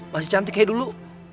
masih cantik kayak dulu